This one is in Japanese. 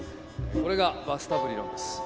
これがバスタブ理論です。